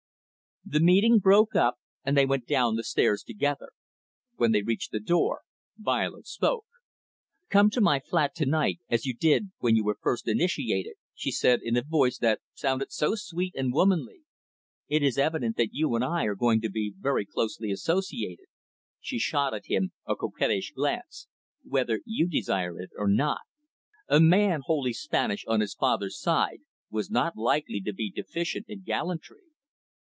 The meeting broke up, and they went down the stairs together. When they reached the door, Violet spoke. "Come to my flat to night, as you did when you were first initiated," she said, in the voice that sounded so sweet and womanly. "It is evident that you and I are going to be very closely associated," she shot at him a coquettish glance "whether you desire it or not." A man wholly Spanish on his father's side was not likely to be deficient in gallantry.